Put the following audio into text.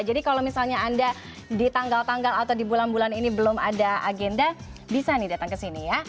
jadi kalau misalnya anda di tanggal tanggal atau di bulan bulan ini belum ada agenda bisa nih datang kesini ya